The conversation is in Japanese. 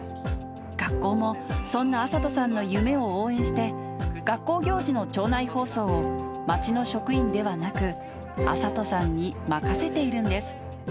学校も、そんな暁里さんの夢を応援して、学校行事の町内放送を、町の職員ではなく、暁里さんに任せているんです。